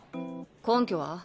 根拠は？